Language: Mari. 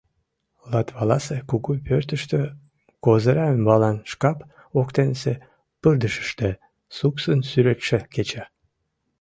Латваласе кугу пӧртыштӧ, козыра ӱмбалан шкап воктенсе пырдыжыште, суксын сӱретше кеча.